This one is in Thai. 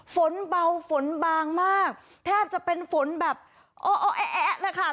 ฝนเบาฝนบางมากแทบจะเป็นฝนแบบอ้อแอ๊ะนะคะ